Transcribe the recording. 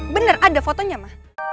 bener ada fotonya ma